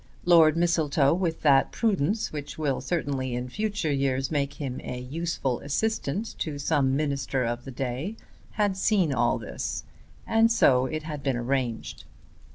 Lord Mistletoe, with that prudence which will certainly in future years make him a useful assistant to some minister of the day, had seen all this, and so it had been arranged.